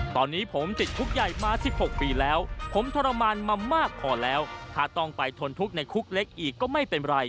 ตอนนี้ผมติดคุกใหญ่มา๑๖ปีแล้วผมทรมานมามากพอแล้วถ้าต้องไปทนทุกข์ในคุกเล็กอีกก็ไม่เป็นไร